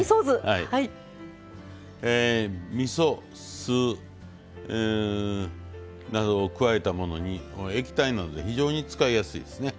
みそ酢などを加えたものに液体なので非常に使いやすいですね。